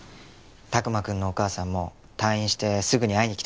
拓磨くんのお母さんも退院してすぐに会いに来てくれるから。